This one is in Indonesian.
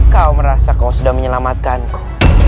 kau merasa kau sudah menyelamatkanku